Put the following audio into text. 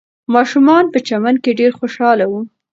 ماشومان په چمن کې ډېر خوشحاله وو.